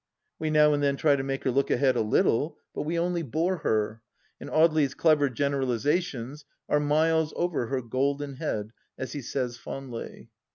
We now and then try to make her look ahead a little, but we only bore her, and Audely's clever generalizations are miles over her golden head, as he says fondly.